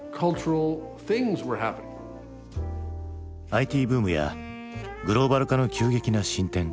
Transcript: ＩＴブームやグローバル化の急激な進展。